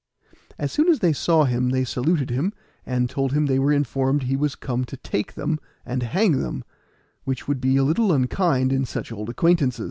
As soon as they saw him they saluted him and told him they were informed he was come to take them, and hang them, which would be a little unkind in such an old acquaintance.